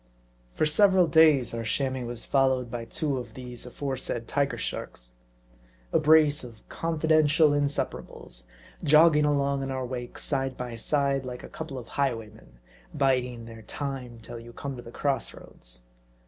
For several days our Chamois was followed by two of these aforesaid Tiger Sharks. A brace of confidential insep arables, jogging along in our wake, side by side, like a couple of highwaymen, biding their time till you come to the cross roads.